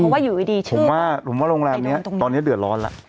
ผมว่าโรงแรมนี้ตอนนี้เดือดร้อนล่ะ